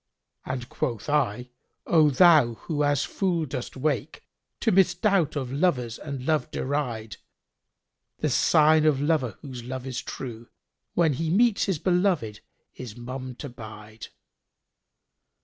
And quoth I, 'O thou who as fool dost wake, * To misdoubt of lovers and Love deride; The sign of lover whose love is true * When he meets his belovиd is mum to bide.'"